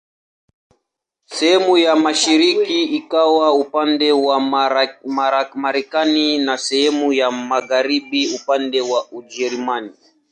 Sehemu ya mashariki ikawa upande wa Marekani na sehemu ya magharibi upande wa Ujerumani.